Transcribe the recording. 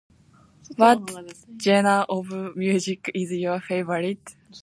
What general music is your favorite?